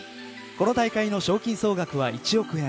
この大会の賞金総額は１億円。